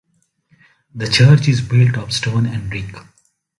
The church is built of stone and brick.